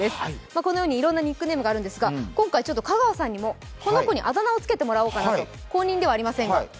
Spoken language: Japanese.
このように、いろんなニックネームがあるんですが、今回、香川さんにもこの子にあだ名をつけてもらおうかなと、公認ではありませんが。